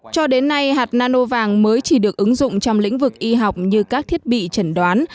cho đến nay hạt nano vàng mới chỉ được ứng dụng trong lĩnh vực y học như các thiết bị chẩn đoán